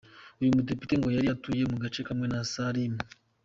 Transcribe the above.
Uyu mudepite ngo yari atuye mu gace kamwe na Salim.